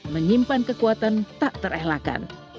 menyimpan kekuatan tak terelakan